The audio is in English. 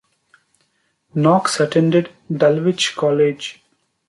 Knox attended Dulwich College.